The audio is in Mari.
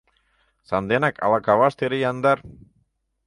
Санденак ала Кавашт эре яндар?